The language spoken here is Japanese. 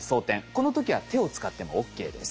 この時は手を使ってもＯＫです。